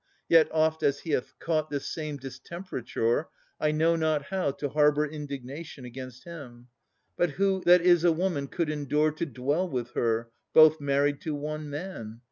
Yet, oft as he hath caught This same distemperature, I know not how To harbour indignation against him. But who that is a woman could endure To dwell with her, both married to one man?